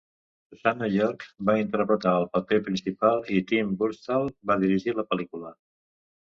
Susannah York va interpretar el paper principal i Tim Burstall va dirigir la pel·lícula.